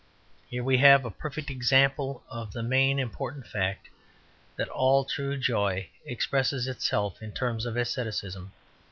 Here we have a perfect example of the main important fact, that all true joy expresses itself in terms of asceticism.